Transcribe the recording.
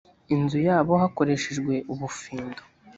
inzu yabo hakoreshejwe ubufindo